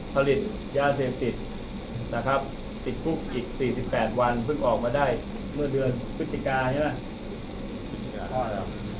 ผลิตย้าเสพติดติดพุกอีก๔๘วันเท่ากับเมื่อเดือนปุจจิการั้งนั้น